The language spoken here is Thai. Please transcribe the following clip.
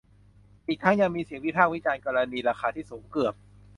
อีกทั้งยังมีเสียงวิพากษ์วิจารณ์กรณีราคาที่สูงเกือบ